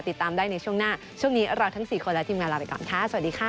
ติดตามได้ในช่วงหน้าช่วงนี้เราทั้ง๔คนและทีมงานลาไปก่อนค่ะสวัสดีค่ะ